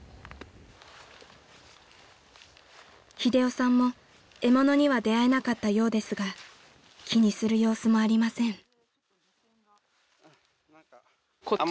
［英雄さんも獲物には出合えなかったようですが気にする様子もありません］